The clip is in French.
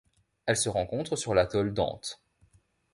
Elle se rencontre sur l'atoll d'Ant.